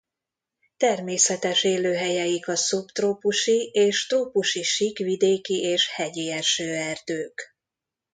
Természetes élőhelyeik a szubtrópusi és trópusi síkvidéki és hegyi esőerdők.